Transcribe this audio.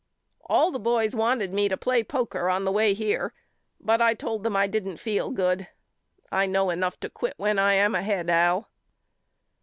All the boys wanted me to play poker on the way here but I told them I didn't feel good. I know enough to quit when I am ahead Al.